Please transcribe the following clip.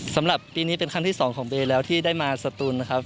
สำหรับปีนี้เป็นครั้งที่๒ของเบย์แล้วที่ได้มาสตูนนะครับ